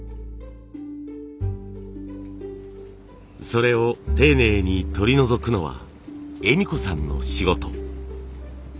それを丁寧に取り除くのは惠美子さんの仕事。